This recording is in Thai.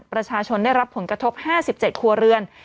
ประชาชนได้รับผลกระทบ๕๗ครัวเรือน